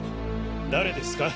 誰ですか？